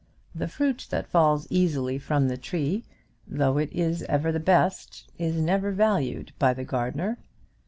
The fruit that falls easily from the tree, though it is ever the best, is never valued by the gardener.